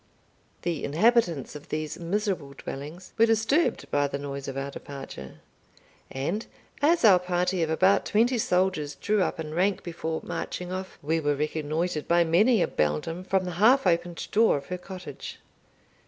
The inhabitants of these miserable dwellings were disturbed by the noise of our departure; and as our party of about twenty soldiers drew up in rank before marching off, we were reconnoitred by many a beldam from the half opened door of her cottage.